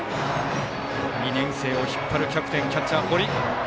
２年生を引っ張るキャプテン、キャッチャー、堀。